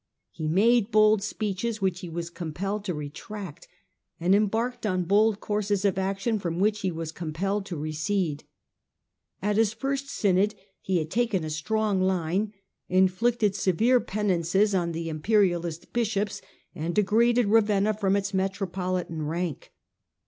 He made bold speeches which he was compelled to retract, and embarked on bold courses of action from which he was compelled to recede. At his first synod he had taken a strong line, inflicted severe penances on the imperialist bishops, and degraded Ravenna from its metropolitan rank.